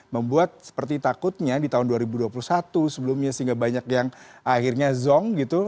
membuat seperti takutnya di tahun dua ribu dua puluh satu sebelumnya sehingga banyak yang akhirnya zong gitu